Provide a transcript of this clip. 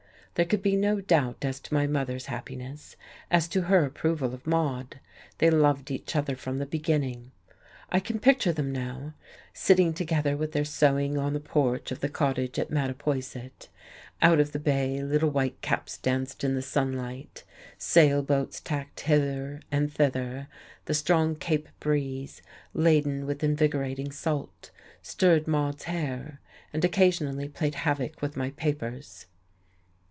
There could be no doubt as to my mother's happiness, as to her approval of Maude; they loved each other from the beginning. I can picture them now, sitting together with their sewing on the porch of the cottage at Mattapoisett. Out on the bay little white caps danced in the sunlight, sail boats tacked hither and thither, the strong cape breeze, laden with invigorating salt, stirred Maude's hair, and occasionally played havoc with my papers.